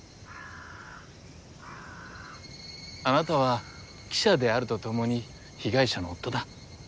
あなたは記者であるとともに被害者の夫だ。